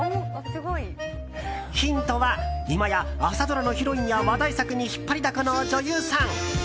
ヒントは、今や朝ドラのヒロインや話題作に引っ張りだこの女優さん。